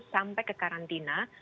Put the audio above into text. sampai ke karantina